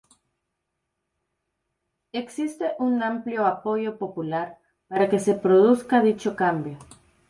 Existe un amplio apoyo popular para que se produzca dicho cambio.